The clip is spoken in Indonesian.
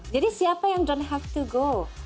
jadi siapa yang don't have to go